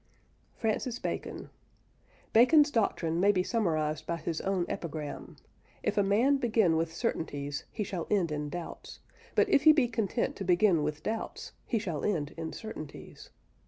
FRANCIS BACON. Bacon's doctrine may be summarised by his own epigram, "If a man begin with certainties, he shall end in doubts; but if he be content to begin with doubts, he shall end in certainties."